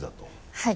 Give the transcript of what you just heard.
はい。